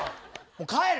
もう帰る！